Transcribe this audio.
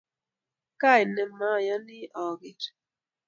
Kaine meyani ageer?